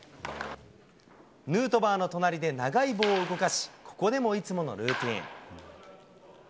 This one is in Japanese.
ヌートバーの隣で長い棒を動かし、ここでも、いつものルーティーン。